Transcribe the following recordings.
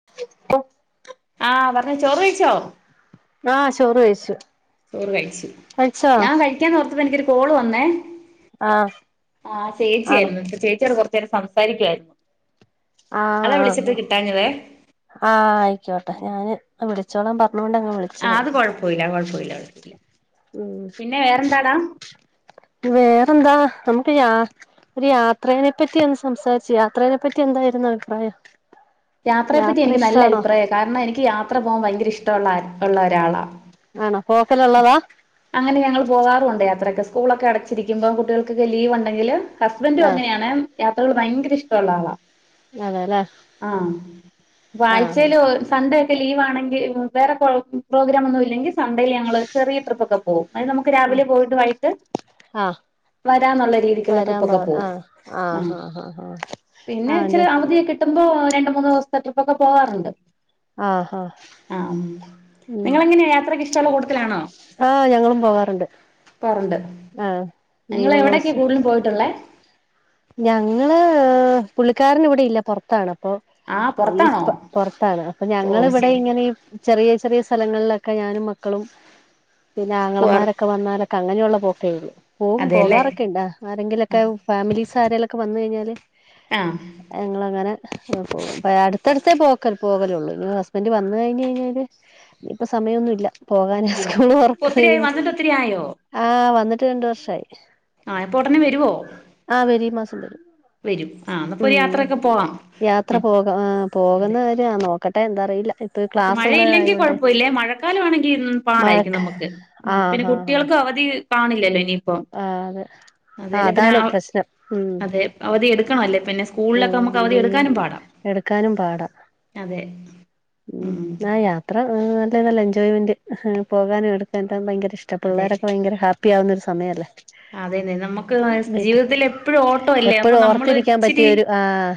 [unintelligible] ആഹ് പറഞ്ഞോ ചോറ് കഴിച്ചോ. ആഹ് ചോറ് കഴിച്ചു. ചോറ് കഴിച്ചു കഴിച്ചോ ഞാൻ കഴിക്കാന്ന് ഒർത്തപ്പോ എനിക്കൊരു കോള് വന്നേ. ആഹ് ആഹ് ചേച്ചി ആണോ അരുന്നു ഇപ്പ ചേച്ചിയോട് കൊറച്ചു നേരം സംസാരിക്കു അരുന്നു. ആഹ് ആഹ് ആഹ് ആയിക്കോട്ടെ ഉം. ഞാൻ വിളിച്ചോളൻ പറഞ്ഞോണ്ട് അങ്ങ് വിളി ആഹ് അത് കുഴപ്പില്ല കുഴപ്പില്ല കുഴപ്പമില്ല ഉം പിന്നെ വേറെന്താടാ. വേറെന്താ നമക്ക് യാ ഒരു യാത്രേനെപ്പറ്റി ഒന്ന് സംസാരിച്ചു യാത്രേനെപ്പറ്റി എന്തായിരുന്നു അഭിപ്രായം. യാത്രയെപ്പറ്റി യാത്ര എനിക്ക് നല്ല ഇഷ്ടാണോ അഭിപ്രായ കാരണം എനിക്ക് യാത്ര പോവൻ ഭയങ്കര ഇഷ്ട ഒള്ള ഒള്ള ഒരാളാ. ആണോ പൊക്കൽ ഒള്ളതാ. അങ്ങനെ ഞങ്ങൾ പോകാറു ഉണ്ടെ യാത്രൊക്കെ സ്കൂളൊക്കെ അടച്ചിരിക്ക്പോ കുട്ടികൾകൊക്കെ ലീവ് ഉണ്ടെങ്കില്. ഹസ്ബൻഡും ആഹ് അങ്ങനെയാണ് യാത്രകള് ഭയങ്കര ഇഷ്ടഒള്ള ആളാ. അതെല്ലേ ആഹ് ഇപ്പൊ ആഹ് ആഴ്ചേല് ഒ സൺഡേ ക്കെ ലീവ ആണെങ്കി വേറെ പൊ പ്രോഗ്രാം ഒന്നും ഇല്ലെങ്കി സൺണ്ടേയില് ഞാ ങ്ങൾ ചെറിയ ട്രിപ്പോക്കെ പോം അത് നമുക്ക് ആഹ് രാവിലെ പോയിട്ട് വൈകിട്ട് ആഹ് വരാന്നുള്ള രീതിക്കുള്ള വരാൻ ട്രിപ്പ ഒക്കെ പറ പോവും ആഹ് ആഹ് ആഹ് പിന്നെ ആഹ് അതെ ഇച്ചിരി അവധിയൊക്കെ. കിടുമ്പോ രണ്ട്, മൂന്ന് ദിവസത്തെ ട്രിപ്പൊക്കെ പോവാറുണ്ട്. ആഹ് ഉം ഉം നിങ്ങളെങ്ങനെയ യാത്രക്കെ ഇഷ്ടള്ള കൂട്ട ലാണോ? ആഹ് ഞങ്ങളും പോകാറുണ്ട് ക്കാറുണ്ട് ആഹ് നിങ്ങൾ ലീവുള്ള എവിടൊക്ക്യാ ദിവസം കൂടു പോയിട്ടുള്ളേ? ഞങ്ങള് പുള്ളിക്കാരൻ ഇവിടെയില്ല പുറത്താണ് അപ്പൊ ആ ഈ പുറത്താണോ പൊ പൊർത്താണ്. അപ്പൊ ഓ ഞങ്ങളിവിടെ ശരി ഇങ്ങനെ ചെറിയ ചെറിയ സ്ഥലങ്ങളിലൊക്കെ ഞാനും മക്കളും പിന്നെ പോവാർ ആങ്ങളമാരൊക്ക ക്കെ വന്നാലൊക്കെ അങ്ങനെയുള്ള പോക്കെ ഉള്ളൂ പോകും അതെല്ലേ പോകാറൊക്കെ ഇണ്ടാ ആ ആരെങ്കിലൊക്കെ ഫാമിലിസ് സാരേലൊക്കെ വന്ന് കഴിഞ്ഞാല് ആഹ് ഞങ്ങളങ്ങനെ [unintelligible] പോവും ഇപ്പാ അടുത്തടുത്തേ പോക്കൽ പോവലൊള്ളൂ ഇനി ഹസ്ബന്റ് വന്ന് കഴിഞ്ഞ്കയിഞ്ഞാല് ഇനിപ്പൊ സമയൊന്നുല്ല പോകാന് ഇല്ല സ്കൂള് ഇപ്പൊ തൊറക്ക ഒത്തിരി ആയി [unintelligible] വന്നിട്ട് ഒത്തിരി ആയോ ആഹ് വന്നിട്ട് രണ്ട് വർഷായി ആഹ് എപ്പോടനെ വരുവോ ആഹ് വരും ഈ മാസം വരും വെരും ആഹ് എന്നപ്പൊരു ഉം യാത്രൊക്കെ പോവാം യാത്ര ഉം പോക ആഹ് അതെ പോകുന്ന കാര്യം നോക്കട്ടെ എന്താറിയില്ല ഇപ്പ പക്ഷെ ക്ലാസ് മഴയില്ലെങ്കി ഉള്ളതായോണ്ട് കൊഴപ്പല്ലേ മഴക്കാലമാണെങ്കിൽ പാടായിരിക്കും മഴക്ക് നമ്മക്ക് ഉം പിന്നെ ആഹ് ആഹ് ആഹ് കുട്ടികൾക്കും അവധി കാണില്ലല്ലോ ഇനിപ്പോ ആഹ് അതെ അതെല്ലേ പിന്നെ അതാണ് ആഹ് പ്രശ്നം ഉം അതെ അവധി എടുക്കണല്ലേ പിന്നെ സ്കൂളിലൊക്കെ ഉം നമ്മക്ക് അവധി ലീവ് എടുക്കാനും പാടാ എടുക്കാനും പാടാ അതെ ഉം ഉം ആഹ് യാത്ര നല്ലതല്ലേ എൻജോയ്മെന്റ് പോകാനും എടുക്കാനും ഭയങ്കര ഇഷ് ട്ട പിള്ളേരൊക്കെ ഭയങ്കര ഹാപ്പി ആവുന്ന ഒരു സമയല്ലേ അതന്നെ നമ്മക്ക് വീട്ടിൽ ജീവിതത്തില് എപ്പഴും ഓട്ടം അല്ലേ അപ്പൊ എപ്പോഴും നമ്മള് ഓർത്തിരിക്കാൻ പറ്റിയ ഇച്ചിരി ഒരു ആഹ്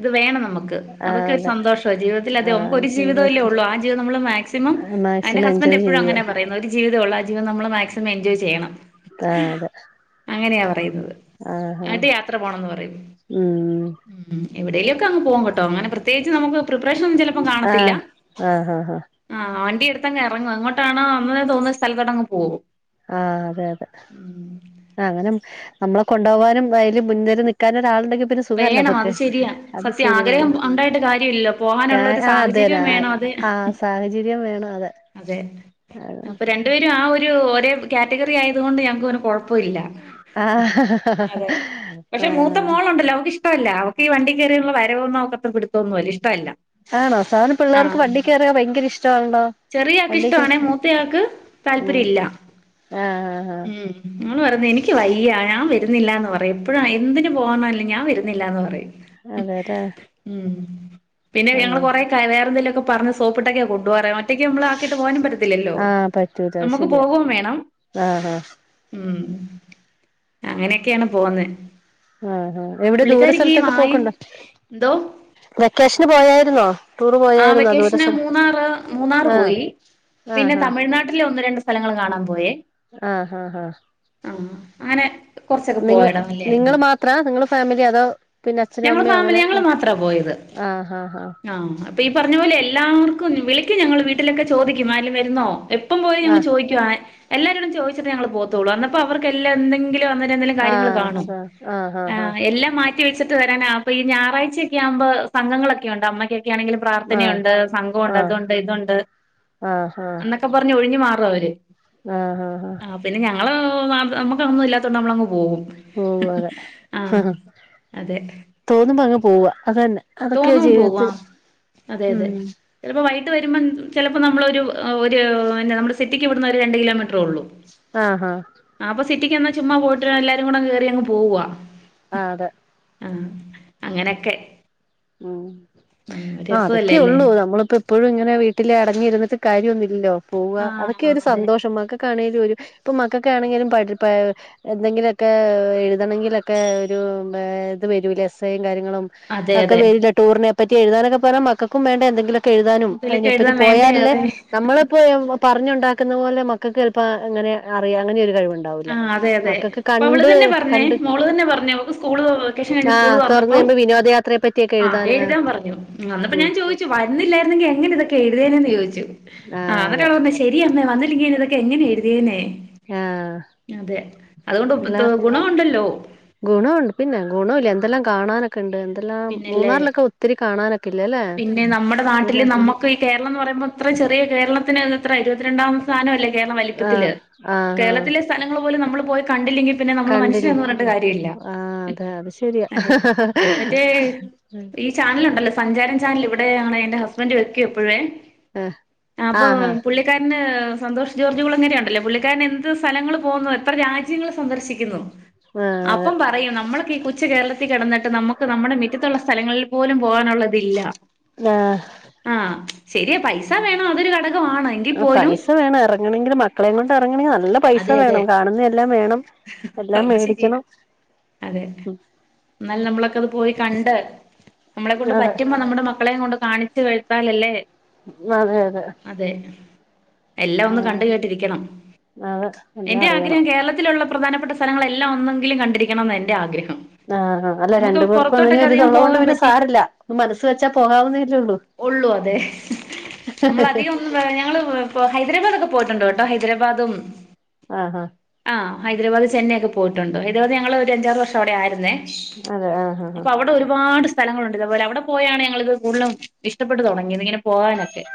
ഇത് വേണം നമ്മക്ക് ആഹ് അതൊക്കെ ഒരു അതെ സന്തോഷാ ജീവിതത്തില് അധികം ആഹ് നമുക്ക് ഒര് ജീവിതല്ലേ ജീവിതത്തിൽ ഒള്ളു ആ ജീവിതം നമ്മള് മാക്സിമം അന്റെ മാക്സിമം ഹസ്ബൻഡ് എൻജോയ് എപ്പൊഴും ചെയ്യ അങ്ങനാ പ പറയുന്ന ഒരു ജീവിതെള്ളൂ ആ ജീവിതം നമ്മള് മാക്സിമം എൻജോയ് ചെയ്യണം ആഹ് അതെ അങ്ങനയാ പറയുന്നത് ആഹ് ആഹ് ആട്ടി യാത്ര പോണംന്ന് പറയൂ ഉം ഉം എവിടേലൊക്കെ അങ്ങ് പോവും കേട്ടോ അങ്ങനെ പ്രത്യേകിച്ച് നമുക്ക് പ്രെപ്പറേഷൻ ഒന്നും ചിലപ്പോ കാണത്തില്ല ആഹ് ആഹ് ആഹ് ആഹ് വണ്ടി ഇടുത്തങ് എറങ്ങും എങ്ങോട്ടാണോ വന്നത് തോന്നുന്ന സ്ഥലത്തോട്ടങ്ങ് പോകും ആഹ് അതെ അതെ ഉം അങ്ങനെ നമ്മളെ കൊണ്ടോവാനും അതില് മുന്നിൽ നിക്കാന് ഒരാളുണ്ടെങ്കി പിന്നെ സുഖല്ലെ വേണം അത് നമ്മക്ക് ശരിയാ അത് സത്യം ശരിയ നമു ആഗ്രഹം ഉണ്ടായിട്ട് കാര്യമില്ലല്ലോ ക്കാ പോകാനുള്ള ഒരു ആഹ് സാഹചര്യം അതെല്ലേ വേണം അത് ആഹ് സാഹചര്യം വേണം അതെ അതെ അപ്പൊ രണ്ടു പേരും ആ ഒരു ഒരേ കാറ്റഗറി ആയതുകൊണ്ട് ഞമക്കു പിന്നെ കൊ പ്പുല്ല ആഹ് അതെ പക്ഷെ മൂത്ത ആഹ് മോളൊണ്ടല്ലോ അവക്ക് ഇഷ് ട്ടവല്ല അവക്ക് ഈ വണ്ടി കേറിയുള്ള വരവൊന്നും അവക്കത്ര പിടുത്തൊന്നല്ല ഇഷ്ടവല്ല ആണോ സാധാരണ പിള്ളേർക്ക് വണ്ടി കേറിയ ഭയങ്കര ഇഷ്ടവാണല്ലോ. ചെറിയ ആക്ക് ഇഷ്ടവാണെ മൂത്തയാൾക്ക് ഉം താല്പര്യല്ല. ആഹ് ആഹ് ഉം അവള് പറഞ്ഞ് എനിക്ക് വയ്യ ഞാൻ വരുന്നില്ലാന്ന് പറയും എപ്പൊഴും എന്തിന് പോവാന്നാർലും ഞാൻ വരുന്നില്ലാന്ന് പറയും അതെല്ലേ ഉം പിന്നെ ഞങ്ങള് ആഹ് കൊറേ വേറെന്തെലൊക്കെ പറഞ്ഞ് സോപ്പിട്ടൊക്കെയാ കൊണ്ടോവാറ് ഒറ്റക്ക് നമ്മൾ ആക്കിട്ട് പോവാനും പറ്റത്തില്ലല്ലോ ആഹ് പറ്റൂല അത് നമ്മുക്ക് ശരിയാ പോവും വേണം ആഹ് ആഹ് ഉം അങ്ങനെക്കെയാണ് പോന്നെ ആഹ് ആഹ് എവിടെ ദൂര പുള്ളിക്കാരിക്ക് ഈ സ്ഥലത്തൊക്കെ വായ പോക്കുണ്ടോ എന്തോ വെക്കേഷ്ന് പോയായിരുന്നോ. ടൂറ് ആഹ് പോയായിരുന്നോ ദൂര വെക്കേഷ്ന് സ്ഥലം മൂന്നാറ് മൂന്നാറ് ആഹ് പോയി പിന്നെ ആഹ് ആഹ് തമിഴ്നാട്ടില് ഒന്ന് രണ്ട് സ് സ്ഥലങ്ങള് കാണാൻ പോയേ ആഹ് ആഹ് ആഹ് ആഹ് അങ്ങനെ കുറച്ചൊക്കെ നിങ്ങ പോയിടമല്ലായിരുന്നു നിങ്ങള് മാത്രാ നിങ്ങള് ഫാമിലി അതോ പിന്നെ അച്ഛനൊ ഞങ്ങള് അമ്മയോ ഫാമിലി അങ്ങനെ ഞങ്ങള് ആഹ് മാത്രാ പോയത് ആഹ് ആഹ് ആഹ് ആഹ് അപ്പൊ ഈ പറഞ്ഞ പോലെ ആഹ് അപ്പം ഈ പറഞ്ഞത് പോലെ എല്ലാർക്കും വിളിക്കും ഞങ്ങള് വീട്ടിലൊക്കെ ചോദിക്കും ആരേലും വര്ന്നോ ഇപ്പം പോയി ഞങ്ങൾ ആഹ് ചോദിക്ക ഇപ്പം പോയി ഞങ്ങള് ചോദിക്കുവാ എല്ലാരോടും എല്ലാരോടും ചോയ്ച്ചിട്ടെ ഞങ്ങള് പോവത്തൊള്ളൂ അന്നപ്പം അവർക്ക് എല്ലാം എന്തെങ്കിൽ [unintelligible] കാര്യങ്ങള് ആഹ് സ കാണും ആഹ് ഹാ ഹാ ഏഹ് എല്ലാം മാ റ്റിവെച്ചിട്ട് വരാനാ അപ്പ ഈ ഞായറഴ്ച്ചൊക്കെ ആവ്മ്പോ സംഘങ്ങളൊക്കെ ഉണ്ട് അമ്മക്കൊക്കെ ആണെങ്കിലും ആഹ് പ്രാർത്ഥനയുണ്ട് സംഘവുണ്ട് ആഹ് അതുണ്ട് ഇതുണ്ട് ആഹ് ഹാ എന്നക്കെ പറഞ്ഞ് ഒഴിഞ്ഞ് മാറും അവര് ആഹ് ആഹ് ആഹ് ആഹ് പിന്നെ ഞങ്ങള് അ അമ്മക്കതൊന്നും ഇല്ലാത്തോണ്ട് നമ്മളങ്ങ് പോകും പോവും അതെ ആഹ് അതെ തോന്നുമ്പ അങ്ങ് പോവാ അതന്നെ അതൊക്കെയാ തോന്നുമ്പോ ജീവിതത്തിൽ ഹ്മ്മ്- - ചെലപ്പം വൈകിട്ട് വര്മ്പം ചെലപ്പോ നമ്മളൊരു ആഹ് ഒര് പിന്നെ നമ്മള് സിറ്റിക്ക് വിടുന്നൊരു രണ്ട് കിലോമീറ്ററേ ഒള്ളു ആഹ് ആഹ് ആഹ് അപ്പം സിറ്റിക്ക് ഒന്ന് ചുമ്മാ പോയിട്ട് വരാ എല്ലാരും കൂടെ കയറി അങ്ങ് പോവാ ആഹ് അതെ ആഹ് അങ്ങനെക്കെ ഹ്മ്മ്, ആഹ് അതൊക്കെ രസവല്ലേ അല്ലേ ഒള്ളൂ നമ്മളിപ്പം എപ്പളും ഇങ്ങനെ വീട്ടില് അടങ്ങി ഇരുന്നിട്ട് കാര്യവൊന്നും മില്ലല്ലോ പോവാ അതൊക്കെ ആഹ് ഒരു അതെ സന്തോഷം അമ്മക്ക് ക്കാണെലും ഒര് ഇപ്പം മക്കക്കാണെങ്കിലും [unintelligible] പാ എന്തെങ്കിലൊക്കെ എഴുതണെങ്കിലൊക്കെ ഒരു ഏഹ് ഇത് വരൂലെ എസ്സെയും കാര്യങ്ങളും അതെ അതൊക്കെ അതെ വരില്ലേ ടൂറിന് അതിനൊക്കെ പറ്റി എഴുതാനൊക്കെ പറഞ്ഞാൽ മക്കൾക്കും വേണ്ടേ എന്തെങ്കിലൊ ക്കെ എഴുതാനും എന്തേലൊക്കെ അതിനെപ്പറ്റി എഴുതാൻ വേണ്ടേ പോയാലല്ലേ അതെ നമ്മളെപ്പോവാ പറഞ്ഞുണ്ടാക്ക്ന്നത് പോലെ മക്കൾക്ക് എളുപ്പാ അങ്ങനെ അറിയാം അങ്ങനെ ഒര് കഴിവുണ്ട് ആഹ് അതെ അതെ, ഇപ്പ അവള് തന്നെ പറഞ്ഞേ കണ്ട് മോള് തന്നെ പറഞ്ഞേ ഓൾക്ക് സ്കൂള് വെക്കേ ഷൻ കഴിഞ്ഞ് ആഹ് സ്കൂള് തുറന്ന് തൊറന്നപ്പം കഴിയുമ്പോ വിനോദയാത്രയെ പറ്റിയൊക്കെ ആഹ് എഴുതാൻ എഴ്താൻ പറഞ്ഞു അന്നപ്പം ഉം ഞാൻ ചോദി ച്ചു വരുന്ന്ല്ലായിരുന്നെങ്കി എങ്ങനെ ഇതൊക്കെ എഴുതേനേന്ന് ചോദിച്ചു, ആഹ് അന്നട്ട് അവള് പറഞ്ഞു ശെ ശെരി അമ്മേ വന്നില്ലെങ്കിൽ ഇതൊക്കെ എങ്ങനെ എഴുതിയേനേ ആഹ് അതെ അതുകൊണ്ട് എത്താ ഗുണവുണ്ടല്ലോ ഗുണവുണ്ട് പിന്നെ ഗുണവില്ലേ എന്തെല്ലാം കാണാന് ക്കണ്ട്, എന്തെല്ലാം പിന്നല്ലേ മൂന്നാറിലൊക്കെ ഒത്തിരി കാണാനൊക്കെ ഇല്ലേ ല്ലേ പിന്നെ നമ്മുടെ അതുവല്ല നാട്ടില് [unintelligible] കേരളം എന്ന് പറയുമ്പം ഇത്രേം ചെറിയ കേരളത്തിന് എത്രേ ഇരുപത്തിരണ്ടാം സ്ഥാനവല്ലേ കേരള ആഹ് വലിപ്പത്തില്, ആഹ് ആഹ് കേരളത്തിലെ സ്ഥലങ്ങള് പോലും നമ്മള് പോയി കണ്ടില്ലെങ്കി പിന്നെ നമ്മള് കണ്ടില്ലേ മനുഷ്യനാന്ന് പറഞ്ഞിട്ട് കാര്യവില്ല, ആഹ് അതെ അത് ശരിയാ അതെ മറ്റേ ഈ ചാനല് ഉണ്ടല്ലോ സഞ്ചാരം ചാനല് ഇവടെ ആണ് എൻ്റെ ഹസ്ബന്റ് വെക്കും എപ്പൊഴേ ആഹ് ആഹ് പുള്ളിക്കാരന് സന്തോഷ് ജോർജ് കുളങ്ങരെ ഉണ്ടല്ലോ പുള്ളിക്കാരന് എന്ത് സ്ഥലങ്ങള് പോകുന്നു എത്ര രാജ്യങ്ങള് സന്ദർശിക്കുന്നു ആഹ് അപ്പം പറയും നമ്മളൊക്കെ ഈ കൊച്ച് കേരളത്തി കെടന്നിട്ട് നമ്മു ക്ക് നമ്മുടെ മിറ്റത്തുള്ള സ്ഥലങ്ങളിൽ പോലും പോവാനുള്ള ഇതില്ല അതെ ആഹ് ആഹ് ശെരിയാ പൈസ വേണം അതൊരു കട ആഹ് പൈസ വേണം എറങ്ങണെങ്കിലും മക്കളെം കൊണ്ട് എറങ്ങണെങ്കി നല്ല പൈസ അതെ അതെ വേണം, കാണുന്ന എല്ലാം വേണം എല്ലാം അത് ശരിയാ മേടിക്കണം അതെ, എന്നാലും നമ്മളൊക്കെ അത് പോയി കണ്ട് നമ്മളെ കൊണ്ട് അതെ പറ്റുമ്പോ നമ്മുടെ മക്കളെം കൊണ്ട് കാണിച്ച് കേടുത്താല് അല്ലേ അതെ അതെ അതെ എല്ലാം ഒന്ന് ആഹ് കണ്ട് കേട്ടിരിക്കണം അതെ എല്ലാം എന്റെ അറിയണം ആഗ്രഹം കേരളത്തിലുള്ള പ്രധാനപ്പെട്ട സ്ഥലങ്ങൾ എല്ലാം ഒന്നെങ്കിലും കണ്ടിരിക്കണംഎന്ന് എന്റെ ആഗ്രഹം ആഹ് ആ അല്ല നമുക്ക് രണ്ടു പേർക്കും അങ്ങനെ പുറത്തോട്ടൊക്കെ അധികം ഒരുരിതള്ളത് കൊണ്ട് പോകാൻ പിന്നെ പറ്റി സാരല്ല മനസ്സ് വെച്ചാ പോവുന്നതല്ലേ ഒള്ളൂ ഒള്ളൂ അതെ നമ്മള് അധികം ഒ ഞങ്ങള് ഇപ്പോ ഹൈദരാബാദൊക്കെ പോയിട്ടുണ്ടോ കേട്ടോ ഹൈദരാബാദും ആഹ് ആഹ് ആഹ് ഹൈദരബാദ് ചെന്നൈ ഒക്കെ പോയിട്ടുണ്ട് ഹൈദരബാദ് ഞങ്ങൾ ഒരു അഞ്ചാറ് വർഷം അവിടെ ആയിരുന്നേ അതെ ആഹ് അപ്പൊ അവിടെ ഒരുപാട് സ് സ്ഥലങ്ങളുണ്ട് അതുപോലെവിടെ പോയാണ് ഞങ്ങളിത് കൂടുതലും ഇഷ്ട്ടപ്പെട്ട് തുടങ്ങിയത് ഇങ്ങനെ പോവാനൊക്കെ ഒക്കെ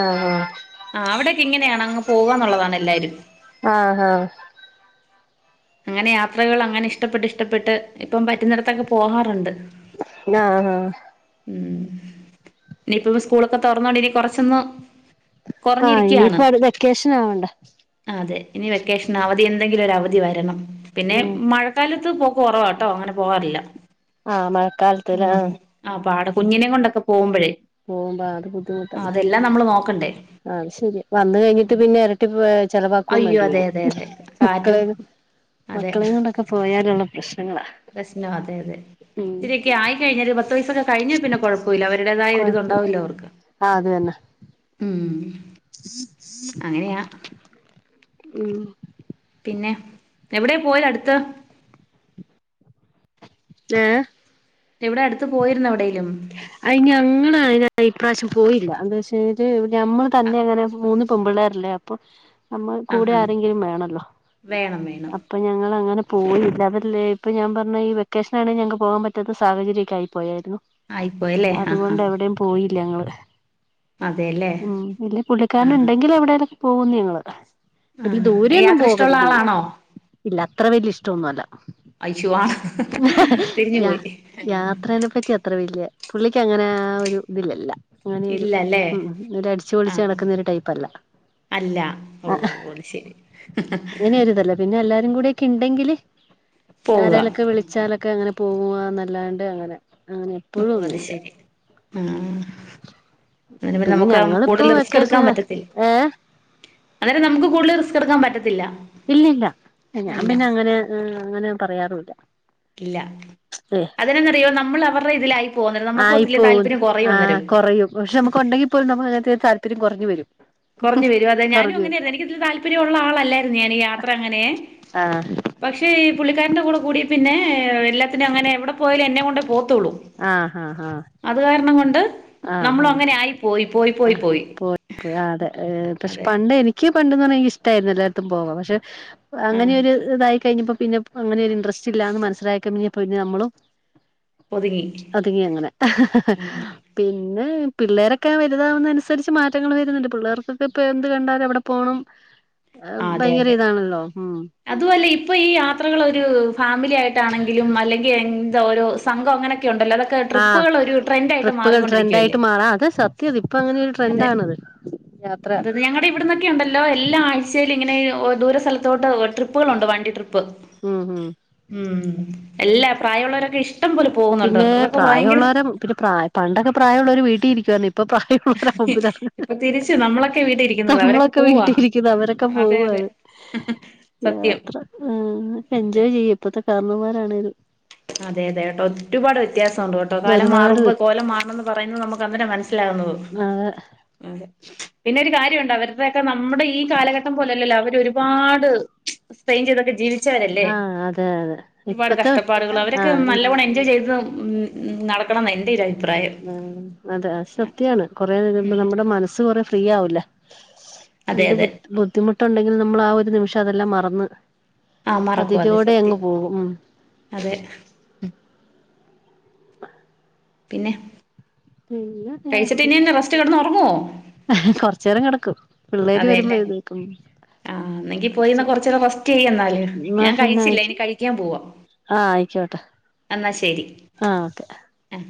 ആഹ് ആഹ് ആ അവിടെക്കെ ഇങ്ങനെയാണ് അങ്ങ് പോവന്നുള്ളതാണ് എല്ലാരും ആഹ് ആഹ് അങ്ങനെ യാത്രകൾ അങ്ങനെ ഇഷ്ടപ്പെട്ട് ഇഷ്ടപ്പെട്ട് ഇപ്പം പറ്റുന്നിടത്തൊക്കെ പോകാറുണ്ട് ആഹ് ആഹ് ഉം ഇനിയിപ്പം സ്കൂളൊക്കെ തുറന്നോണ്ടി ഇനി കൊറച്ചൊന്ന് ആഹ് കുറഞ്ഞിരിക്കയാണ് ഇനിയിപ്പോ അടു വെക്കേഷൻ ആവണ്ട അതെ ഇനി വെക്കേഷൻ അവധി എന്തെങ്കിലും ഒരു അവധി വരണം പിന്നെ ഉം മഴ കാലത്ത് പോക്ക് കുറവാട്ടോ അങ്ങനെ പോവാറില്ല ആഹ് മഴക്കാലത്തില് ഉം ആഹ് ആ പാട കുഞ്ഞിനേം കൊണ്ടൊക്കെ പോകുമ്പോഴേയ് പോകുമ്പോ ആ അതെല്ലാം നമ്മള് നോക്കണ്ടേ ആ അത് ശരിയ വന്ന് കഴിഞ്ഞിട്ട് പിന്നെ എര പറ്റി പോയാൽ ചെലവാക്കും അയ്യോ വേണ്ടി അതെ വരും അതെ അതെ കാറ്റും മക്കളേന്ന് അതെ മക്കളേന്ന് [unintelligible] ഒക്കെ പോയാലുള്ള പ്രശ്നങ്ങളാ പ്രശ്നം അതെ അതെ ഇത്തിരിക്കെ ആയിക്കഴിഞാ ഒരു പത്ത് വയസൊക്കെ കഴിഞാ പിന്നെ കുഴപ് പ്പുല്ല അവരുടേതായ കൊഴപ്പില്ല ഒരുരിതുണ്ടാവല്ലോ അവർക്ക് ആഹ് അത് തന്നെ ഉം അങ്ങനെയാ ഉം പിന്നെ എവിടെയാ പോയത് അടുത്ത് ഏഹ് എവിടെ അടുത്ത് പോയിരുന്നോ എവിടേലും? അയി ഞങ്ങള് അയ്ന് ഇപ്രാവശ്യം പോയില്ല എന്താ വെച്ച് കഴിഞ്ഞട്ട് ഞമ്മൾ ആ തന്നെ അങ്ങനെ മൂന്ന് പെമ്പിള്ളാരല്ലേ അപ്പൊ നമ്മളെ ആ കൂടെ ആരെങ്കിലും വേണല്ലോ വേണം അ വേണം അപ്പൊ ഞങ്ങളങ്ങനെ പോയില്ല അതല്ലേ ഇപ്പൊ ഞാൻ പറഞ്ഞെ ഈ വെക്കേഷനാണെ ഞങ്ങൾക്ക് പോകാൻ പറ്റാത്ത സാഹചര്യക്കെ ആയി പോയാരുന്നു ആയിപ്പോയ അതുകൊണ്ട് എവിടെം പോയില്ല ഞങ്ങള് അതെല്ലേ ഉം പിന്നെ ആ ആ പുള്ളിക്കാരനിണ്ടെങ്കിൽ എവിടെലൊക്കെ പോകുന്നു ഞങ്ങള് ഇല് ആഹ് ദൂരെ ഒന്നും യാത്ര ഇഷ്ടമുള്ള പോകരുതു ആളാണോ ഇല്ല അത്ര വല്യ ഇഷ്ടൊന്നു അല്ല അയ്ശോ ആണ് തിരിഞ്ഞു ഞാ പോയി ഞാ യാത്രേനെ പറ്റി അത്ര വല്യ പുള്ളിക്ക് അങ്ങനെ ആ ഒരു ഇതിലല്ല അങ്ങനെയൊരു ഇല്ലല്ലേ ഉം ഒരു അടിച്ചുപൊളിച്ച് ആഹ് നടക്കുന്നൊരു ടൈപ്പല്ല അല്ല ഓഹ് അത് ശെരി അങ്ങനെ ഒരിതല്ല പിന്നെ എല്ലാരും കൂടി ഒക്കെ ഇണ്ടെങ്കില് പോവുക ആരലുംഒക്കെ വിളി വച്ചാലൊക്കെ അങ്ങനെ പോകുകാ ന്നല്ലാണ്ട് അങ്ങനെ അങ്ങനെ എപ്പോഴും ഓഹ് അത് ഒന്നുല്ല ശരി ആഹ്. അങ്ങനെ പിന്നെ നമ്മക്ക് ഞങ്ങളിപ്പോ കൂടുതല് റിസ്ക് എടുക്കാൻ വെക്കേഷൻ പറ്റത്തിൽ. ഏഹ് അന്നേരം നമുക്ക് കൂടുതല് റിസ്ക് എടുക്കാൻ പറ്റത്തില്ല. ഇല്ലില്ല എ ഞാൻ ഇല്ല പിന്നെ അങ്ങനെ ഏഹ് അങ്ങനെ പറയാറൂല്ല. ഇല്ല അതെന്നറിയോ നമ്മള് അവരുടെ ഇതിലായി പോകുന്നരം നമ്മുക്കു ഒത്തിലി ആയിപ്പോകുന്നു താല്പര്യം കുറയു ആഹ് അന്നേരം. കൊറയും പക്ഷെ നമുക്കുണ്ടെങ്കി പോലും നമുക്ക് അങ്ങനത്തെ താല്പര്യം കൊറഞ് വരും. കൊറഞ്ഞു വരും അതെ ഞാനും കുറഞ്ഞു അങ്ങനെയായിരുന്നു എനിക്കതില് താല്പര്യവുള്ള ആളല്ലായിരുന്നു ഞാനീ യാത്ര അങ്ങനെയെ. ആഹ് പക്ഷേ പുള്ളിക്കാരന്റെ കൂടെ കൂടിയെ പിന്നെ എല്ലാത്തിനും അങ്ങനെ എവിടെ പോയാലും എന്നെ കൊണ്ടെ പോവത്തൊള്ളൂ. ആഹ് ആഹ് ആഹ്. അത് കാരണം കൊണ്ട് ആഹ് നമ്മളു അങ്ങനെ ആയി പോയി പോയി പോയി പോയി. പൊ ആഹ് അതെ പക്ഷെ അതെ പണ്ട് എനിക്ക് പണ്ട്ന്ന് പറഞ്ഞ എനിക്കിഷ്ടായിരുന്നു എല്ലായിടത്തും പോവാൻ പക്ഷെ. ആഹ് അങ്ങനെയൊരി ഇതായി കയിഞ്ഞപ്പൊ പിന്നെ അങ്ങനൊരു ഇൻട്രസ്റ്റ്ല്ലാന്ന് മനസിലായിക പിന്നെ ഇപ്പ നമ്മളും. ഒതുങ്ങി അതുങ്ങി അങ്ങനെ ആഹ് പിന്നെ പിള്ളേരൊക്കെ വെ വലുതാവുന്ന അനുസരിച്ച് മാറ്റങ്ങൾ വരുന്നുണ്ട് പിള്ളേർക്കൊക്കെ ഇപ്പ എന്ത് കണ്ടാലും അവിടെ പോകണം. അ ഭയങ്കര ഇതാണല്ലോ ഉം. അതു അല്ല ഇപ്പൊ ഈ യാത്രകള് ഒരു ഫാമിലി ആയിട്ടാണെങ്കിലും അല്ലെങ്കി എന്ത ഓരോ സംഘൊ അങ്ങനെ. ക്കെ ഉണ്ടല്ലോ അതൊക്കെ ആഹ് ട്രിപ്പുകളൊരു ട്രെൻഡായിട്ട് ട്രിപ്പുകൾ ട്രെൻഡ് മാറിക്കൊണ്ടിരിക്കുവല്ലേ ആയിട്ട് മാറാം അത് സത്യം ഇപ്പൊ അങ്ങനെ ഒരു അതെ. ട്രെൻഡാണത് യാത്ര അതതെ ഞങ്ങടെ ഇവിടുന്നൊ ക്കെ ഉണ്ടല്ലോ എല്ലാ ആഴ്ചയിലും ഇങ്ങനെ ഓ ദൂര സൽത്തോട്ടൊ ട്രിപ്പുകളുണ്ട് വണ്ടി ട്രിപ്പ്. ഉം ഉം. ഉം എല്ലാ പ്രായമുള്ളവരൊക്കെ ഇഷ്ടം പോലെ പോകുന്നുണ്ട് പിന്നെ ഇവരൊക്കെ ഭയങ്കര. പ്രായമുള്ളവരെ പിന്നെ പ്രായ പണ്ടൊക്കെ പ്രായമുള്ളവരു വീട്ടി ഇരിക്കുവായിരുന്നു ഇപ്പൊ പ്രായം. ഇപ്പൊ തിരിച്ച് [unintelligible] നമ്മളൊക്കെ വീട്ടി ഇരിക്കുന്നത് അവരൊക്കെ നമ്മളൊക്കെ പോവാ വീട്ടീ ഇരിക്കുന്നു അവരൊക്കെ അതെ അതെ പോവാണ്. സത്യം. ഉം എൻജോയ് ചെയ്യും ഇപ്പത്തെ കാര്ണവമ്മാരാണേലും. അതെ അതെ കേട്ടോ ഒരുപാട് വ്യത്യാസൊണ്ട് കേട്ടോ കാലം ഒരുപാട് മാറുമ്പോ കോലം മാറണംന്ന്. പറയുന്നത് നമുക്ക് അന്നേരം മനസ്സിലാവുന്നത്. അതെ. അതെ പിന്നെ ഒരു കാര്യോണ്ട് അവരുടെക്കെ നമ്മടെ ഈ കാലഘട്ടം പോലല്ലല്ലോ അവര് ഒരുപാട്. സ്ട്രൈൻ ചെയ്തൊക്കെ ജീവിച്ചവരല്ലേ ആഹ് അതെ അതെ ഒരുപാട് ഇപ്പത്തെ കഷ്ട പാടുകള് അവരൊക്കെ ആഹ് ഇ നല്ലവണ്ണം എൻജോയ് ചെയ്ത് ഉം ഉം നടക്കണംന്നാ എൻ്റെ ഒരു അഭിപ്രായം. ആഹ് അതെ അത് സത്യാണ് കൊറേ [unintelligible] മ്പൊ ഉം നമ്മുടെ മനസ്സ് കൊറേ ഫ്രീയാവുല്ലെ. അതെ എന്ത് ബു അതെ ബുദ്ധിമുട്ടുണ്ടെങ്കിലും നമ്മളാ ഒരു നിമിഷം അതെല്ലാം മറന്ന്. ആ മറക്കും അതെ അതിലൂടെ അങ്ങ് സത്യം പോകും ഉം. അതെ. പിന്നെ. പിന്നെ. പൈസ ടിനിന്ന് റസ്റ്റ് കെടന്ന് ഉറങ്ങോ. കൊറച്ചേരം കെടക്കും പിള്ളേര് വരുമ്പ എഴുന്നേൽക്കും. ആഹ് ഇന്നെങ്കി പോയിന്ന കൊറച്ചേരം റസ്റ്റെയ്യെന്നാല് എന്നാ ഞാൻ പിന്നെ കഴിച്ചില്ല ഇനി കഴിക്ക്യാൻ പോവാ. ആഹ് ആയിക്ക്യോട്ടെ. എന്നാ ശെരി അ.